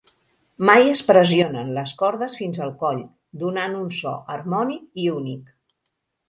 Mai es pressionen les cordes fins el coll, donant un so harmònic i únic.